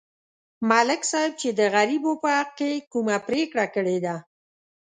ملک صاحب چې د غریبو په حق کې کومه پرېکړه کړې ده